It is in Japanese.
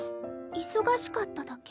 忙しかっただけ？